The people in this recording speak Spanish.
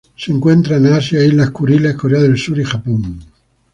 Se encuentran en Asia: Islas Kuriles, Corea del Sur y Japón.